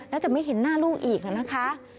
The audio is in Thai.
แล้วจะไม่เห็นหน้าลูกอีกนะคะ